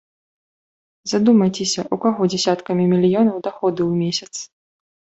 Задумайцеся, у каго дзясяткамі мільёнаў даходы ў месяц.